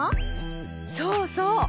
そうそう！